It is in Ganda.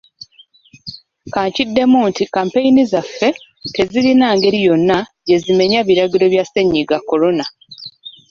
Kankiddemu nti kkampeyini zaffe tezirina ngeri yonna gye zimenya biragiro bya Ssennyiga Corona.